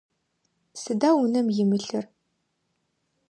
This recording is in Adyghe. Сыда унэм имылъыр?